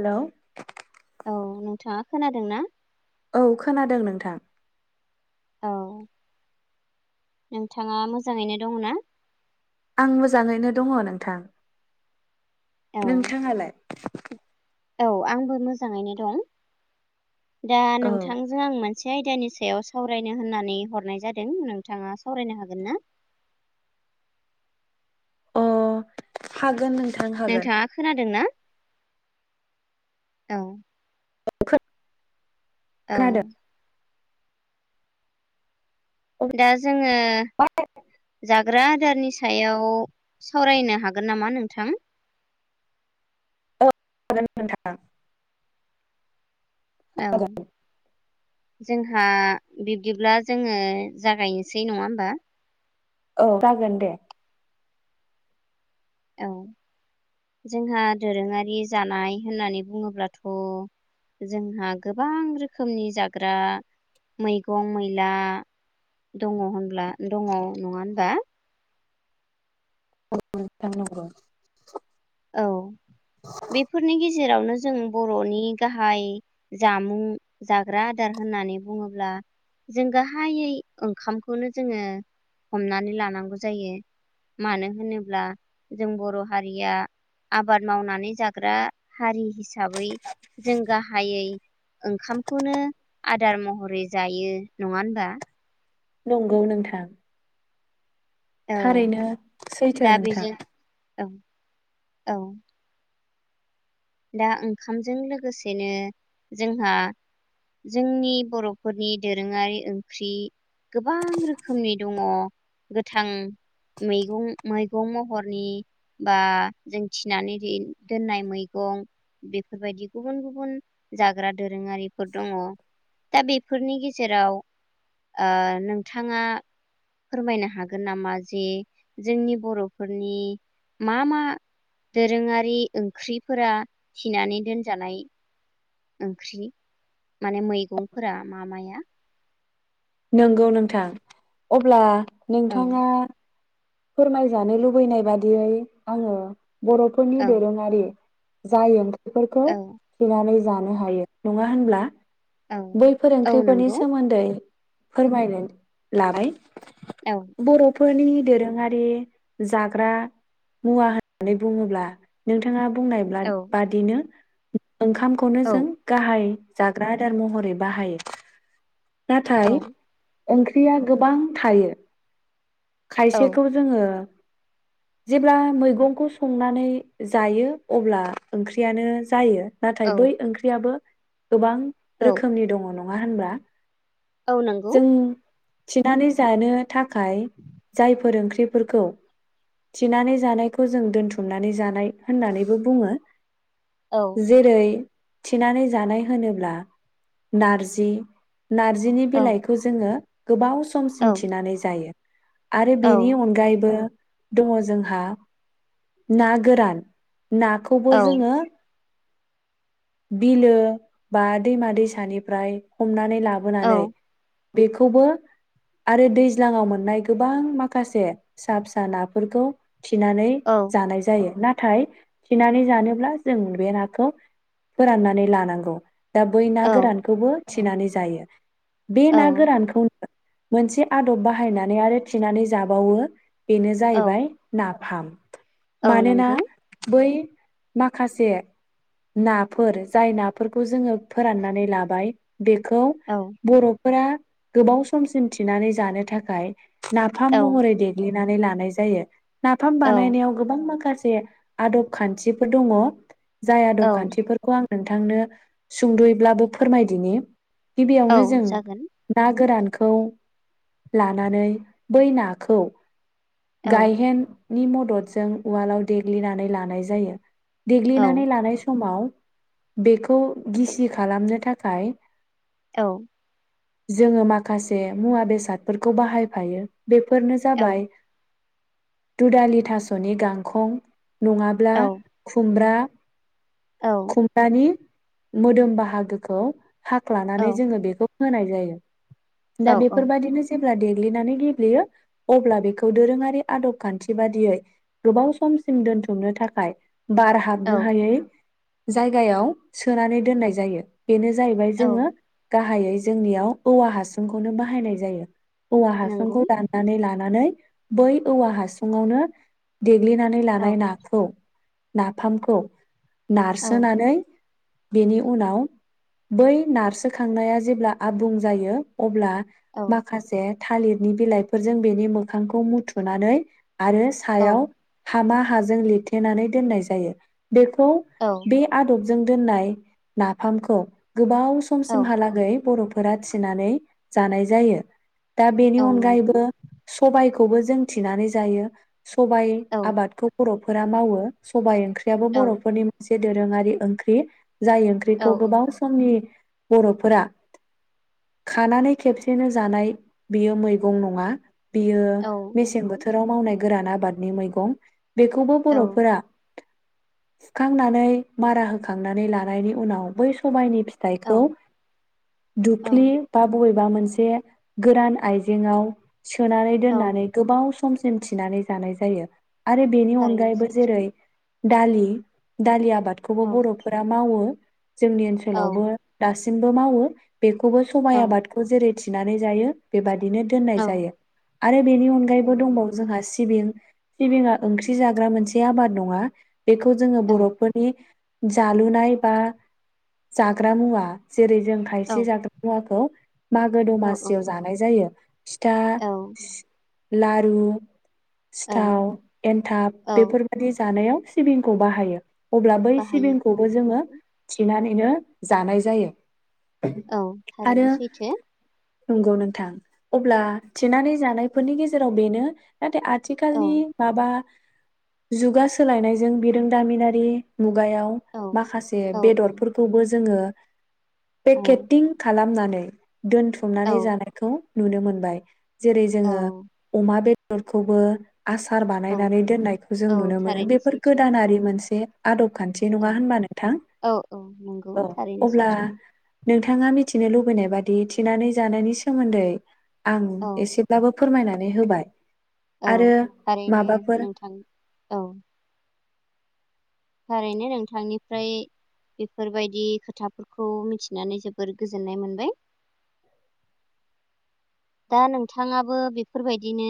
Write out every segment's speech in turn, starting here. Hello औ नोंथाङा खोनादोंना औ खोनादों नोंथां औ नोंथाङा मोजाङैनो दंङना आं मोजाङैनो दङ नोंथां औ नोंथाङालाय औ आंबो मोजाङैनो दं दा औ नोंथांजों आं मोने मोनसे आयदानि सायाव सावरायनो होननानै हरनाय जादों नोंथाङा सावरायनो हागोन ना अ हागोन नों नोंथाङा खोनादों ना औ औ खोनादों औ दा जोङो जाग्रा जारनि सायाव सावरायनो हागोन नामा नोंथां हागोन नोंथां औ हागोन जोंहा बिब्दिब्ला जोङो जागायनोसै नङा होमबा औ जागोन दे औ जोंहा दोरोङारि जानाय होननानै बुङोब्लाथ' जोंहा गोबां रोखोमनि जाग्रा मैगं मैला दङ होनब्ला दङ नङा होनबा [inaudible] औ बेफोरनि गे जेरावनो जों बर'नि गाहाय जामुं जाग्रा आदार होननानै बुङोब्ला जों गाहायै ओंखामखौनो जोङो हमनानै लानांगौ जायो मानो होनोब्ला जों बर' हारिया आबाद मावनानै जाग्रा हारि हिसाबै जों गाहायै ओंखामखौनो आदार महरै जायो नङा होनबा नोंगौ नोंथां औ थारैनो सैथो दा नोंथां बेजों औ औ दा ओंखामजों लोगोसेनो जोंहा जोंनि बर'फोरनि दोरोङारि ओंख्रि गोबां रोखोमनि दङ गोथां मैगं मैगं महरनि बा जों थिनानै दिन दोननाय मै गं बेफोरबायदि गुबुन गुबुन जाग्रा दोरोङारिफोर दङ दा बेफोरनि गेजेराव ओ नोंथाङा फोरमायनो हागोन नामा जे जोंनि बर'फोरनि मा मा दोरोङारि ओंख्रि फोरा थिनानै दोनजानाय ओंख्रि माने मैगंफोरा मा माया नोंगौ नोंथां अब्ला औ नोंथाङा फोरमायजानो लुबैनाय बादियै आङो बर'फोरनि औ दोरोङारि जाय ओं ख्रिफोरखो औ थिनानै जानो हायो नङा होनब्ला। औ बैफोर औ ओंख्रिफोरनि नंगौ सोमोन्दै फोरमायनो लाबाय औ बर' फोरनि दोरोङारि जाग्रा मुवा होननानै बुङोब्ला नोंथाङा बुंनायब्ला औ बादिनो ओंखामखौनो औ जों गाहाय जाग्रा आदार महरै बाहायो। नाथाइ। औ ओंख्रिया गोबां थायो। औ खायसेखौ जोङो जेब्ला मैगंखौ संनानै जायो अब्ला ओंख्रियानो जायो। नाथाय औ बै ओंख्रियाबो गोबां औ रोखोमनि दङ नङ। नङा होनबा। औ नंगौ। थिनानै जानो। थाखाय जाय फोरोंख्रि। बेफोरखौ थिनानै जानायखौ जों दोनथुमनानै जानाय होननानैबो बुङो। औ जेरै। थिनानै जानाय होनोब्ला नारजि। नारजिनि औ बिलाइखौ। ओ गोबाव। समसिम औ थिनानै जायो। आरो औ बेनि अनगायैबो। दङ जोंहा ना गोरान। नाखौबो औ जोङो बिलो बा दैमा दैसानिफ्राय हमनानै। नै लाबो औ नानै। बेखौबो आरो दैज्लाङाव मोननाय गोबां माखासे फिसा-फिसा नाफोरखौ। थिनानै जानाय जायो ना। थाय थिनानै जानोब्ला जों बे नाखौ फोराननानै लानांगौ। दा बै ना औ गोरानखौबो थिनानै। जायो। बे ना औ गोरानखौनो। मोनसे आदब बाहायनानै आरो थिनानै जाबावो। बेनो औ जाहैबाय ना फाम। औ मानोना नंगौ बै माखासे नाफोर जाय नाफोरखौ जोङो फोराननानै लाबाय। बेखौ औ बर'। फोर गोबाव समसिम थिनानै जानो थाखाय। नाफाम औ महरै देग्लि। नानै लानाय जायो। नाफाम औ बानायनायाव गोबां माखासे। से आदब खान्थिफोर दङ। जाय खदब औ खान्थिफोरखौ आं नोंथांनो सुंद'यैब्लाबो फोरमायदिनि औ गिबियावनो जों जागोन ना गोरानखौ लानानै बै नाखौ औ गायहेन नि मददजों उवालाव देग्लिनानै लानाय जायो औ देग्लिनानै लानाय समाव बेखौ गिसि खालामनो थाखाय औ जोङो माखासे मुवा बेसादफोरखौ बाहायफायो बेफोरनो औ जाबाय दुडालि थास'नि गांखं नङाब्ला औ खुमब्रा खुम्ब्रानि मोदोम बाहागोखौ हाख्लानानै जोङो बेखौ होनाय जायो [inaudible] दा औ बेफोरबायदिनो जे देग्लिनानै गेब्लेयो अब्ला बेखौ दोरोङारि आदब खान्थि बादियै गोबाव समसिम दोनथुमनो थाखाय बार औ हाबनो हायै जायगायाव सोनानै दोननाय जायो बेनो जाहैबाय औ जोङो गाह गाहायै जोंनियाव औवा हासुंखौनो बाहायनाय जायो। औवा नंगौ हासुंखौ दाननानै लानानै बै औवा हासुङावनो देग्लिनानै औ लानाय नाखौ नाफामखौ औ नारसोनानै बेनि उनाव बै नारसोखांनाया जेब्ला आबुं जायो अब्ला औ माखासे थालिरनि बिलाइफोरजों बेनि मोखांखौ मुथुनानै आरो औ सायाव हामा हाजों लिरथेनानै दोननाय जायो बेखौ औ बे आदब जों दोननाय नाफामखौ गोबाव औ समसिमहालागै बर' फोरा थिनानै जानाय जायो दा बेनि औ नंगौ अनगायैबो सबाइखौ खौबो जों थिनानै जायो सबाइ औ आबादखौ बर' फोरा मावो सबाइ ओंख्रियाबो औ बर'फोरनि मोनसे दोरोङारि ओंख्रि जाय औ ओंख्रिखौ गोबाव समनि बर'फोरा खानानै खेबसेनो जानाय बियो मैगं नङा बियो औ मेसें नंगौ बोथोराव मावनाय गोरान आबादनि मैगं बेखौबो औ बर'फोरा सुखांनानै मारा होखांनानै लानायनि उनाव बै सबायनि औ फिथाइखौ दुख ख्लि औ बा बबेबा बा मोनसे गोरान आइजेङाव सोनानै औ दोननानै गोबाव समसिम थिनानै जानाय जायो आरो बेनि थारैनो अनगायैबो सैथो जेरै दालि दालिआ आबादखौबो औ बर'फोरा मावो जोंनि औ ओनसोलावबो दासिम सिमबो मावो बे खौबो सबाय औ आबादखौ जेरै नानै जायो बेबादि बिदिनो दोननाय औ जायो आरो बेनि अनगायैबो दंबावो जोंहा सिबिं सिबिङा ओंख्रि जाग्रा मोनसे आबाद नङा बेखौ जोङो नंगौ बर'फोरनि जालुनाय बा जाग्रा मुवा जेरै जों औ खायसे जाग्रा मुवाखौ मागो औ दमासियाव जानाय जायो फिथा औ लारु सिथाव औ एन्थाब औ बेफोरबायाददि जानायाव सिबिंखौ बाहायो अब्ला बै बाहायो सिबिंखौबो औ जोङो नंगौ थिनानै नो जानाय जायो औ आरो थारैनो सैथो नंगौ नोंथां अब्ला थिनानै जानायफोरनि गेजेराव बेनो नाथाय औ आथिखालनि माबा जुगा सोलायनायजों बिरोंदामिनारि मु मुगायाव औ माखासे औ बेदरफोरखौबो जोङो बे औ खेथ टिं खालामनानै दोनथुमनानै औ जानायखौ नुनो मोनबाय जेरै औ जोङो अमा बेदरखौबो आसार औ बानायनानै दोननायखौ जों औ नुनो मोनो थारैनो बेफोर सैथो गोदानारि मोनसे आदब खान्थि औ नङा होनबा नोंथां औ औ नंगौ औ थारैनो अब्ला सैथो नोंथाङा मिथिनो लुबैनाय बादि थिनानै जानायनि सोमोन्दै आं औ एसेब्लाबो फोरमायनानै होबाय औ आरो थारैनो माबाफोर नोंथां औ थारैनो नोंथांनिफ्राय बेफोरबायदि खोथाफोरखौ मिथिनानै जोबोर गोजोननाय मोनबाय दा नोंथाङाबो बेफोरबायदिनो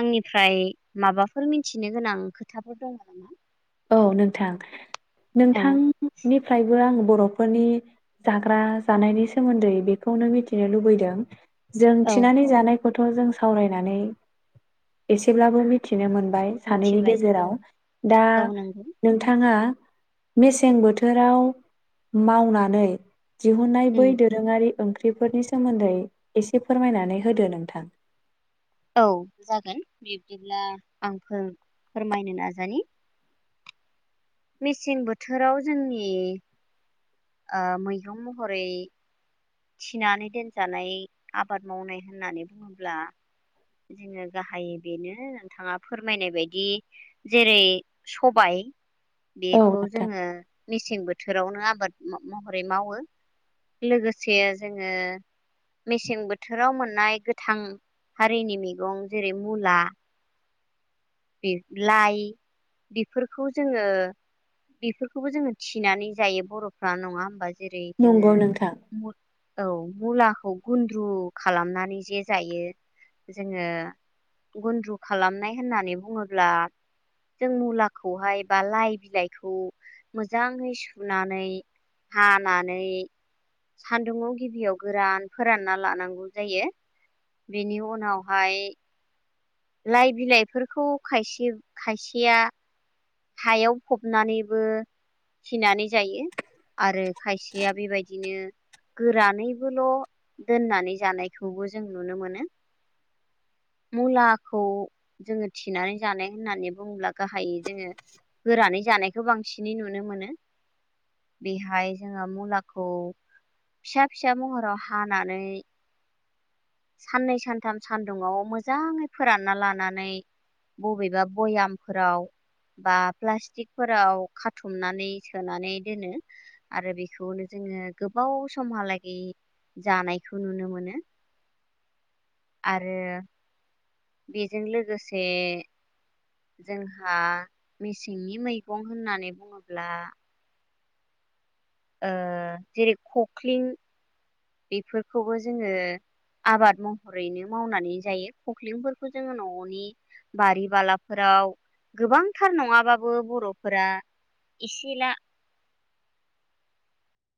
आंनिफ्राय माबाफोर मिथिनो गोनां खोथाफोर दं आरो ना औ नोंथां नोंथांनिफ्रायबो आङो बर'फोरनि जाग्रा जानायनि सोमोन्दै बेखौनो मिथिनो लुबैदों जों औ थिनानै जानाय खौथ' जों सावरायनानै एसेब्लाबो मिथिनो मोन बाय सानैनि मिथिबाय औ गेजेराव दा औ नंगौ नोंथाङा मेसें बोथोराव मावनानै दिहुननाय बै उम दोरोङारि ओंख्रिफोरनि सोमोन्दै एसे फोरमायनानै होदो नोंथां औ जागोन बिब्दिब्ला आं फोर-फोरमायनो नाजानि मेसें बोथोराव जोंनि अ मैगं महरै थिनानै दोनजानाय आबाद मावनाय होननानै बुङोब्ला जोङो गाहायै बेनो नोंथाङा फोरमायनाय बायदि जेरै- सबाय औ बेखौ नोंथां जोङो मेसें बोथोरावनो आबाद म-महरै मावो लोगो- से जोङो मेसें बोथोराव मोननाय गोथां हारिनि मैगं जेरै- मुला बे लाइ बेफोरखौ जोङो बेफोरखौबो जोङो थिनानै जायो बर'फ्रा नङा होमबा जेरै- जोङो नंगौ नोंथां मु औ मुला- खौ गुन्द्रु खालामनानै जे जायो जोङो गुन्द्रु खालामनाय होननानै बुङोब्ला जों मुलाखौहाय बा लाइ बिलाइखौ मोजाङै सुनानै हानानै सानदुुंआव गिबियाव गोरान फोरानना लानांगौ जायो बेनि उनावहाय लाइ बिलाइफोरखौ खायसे-खायसेया हायाव फबनानैबो थिनानै जायो आरो खायसेया बेबायदिनो गोरानैबोल' दोननानै जानायखौबो जों नुनो मोनो मुलाखौ जोङो थिनानै जानाय होननानै बुङोब्ला गाहायै जोङो गोरानै जानाय गोबांसिनै नुनो मोनो बेहाय जोङो मुलाखौ फिसा-फिसा महराव हानानै साननै सानथाम सान्दुंङआव मोजाङै फोरानना लानानै बबेबा भयामफोराव बा प्लास्टिकफोराव खाथुमनानै सोनानै दोनो आरो बेखौनो जोङो गोबाव समहालागै जानायखौ नुनो मोनो। आरो बेजों लोगोसे जोंहा मेसेंनि मैगं होननानै बुङोब्ला अ जेरै खखलिं बेफोरखौबो जोङो आबाद महरैनो मावनानै जायो खखलिंफोरखौ जोङो न'नि बारि बालाफोराव गोबांथार नङाबाबो बर'फोरा एसेला